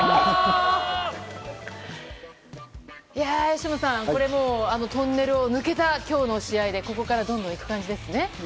由伸さんトンネルを抜けた今日の試合でここからどんどんいく感じですね。